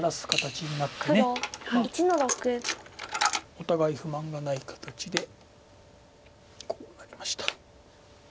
お互い不満がない形でこうなりました。